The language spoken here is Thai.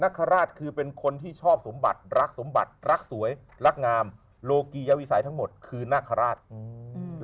คาราชคือเป็นคนที่ชอบสมบัติรักสมบัติรักสวยรักงามโลกียวิสัยทั้งหมดคือนาคาราชอืม